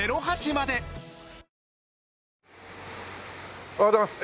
おはようございます。